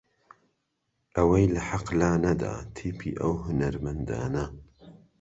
ئەوەی لە حەق لا نەدا تیپی ئەو هونەرمەندانە